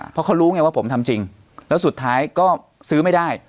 เพราะเขารู้ไงว่าผมทำจริงแล้วสุดท้ายก็ซื้อไม่ได้